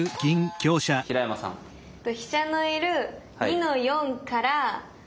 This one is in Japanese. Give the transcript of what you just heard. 飛車のいる２の四から。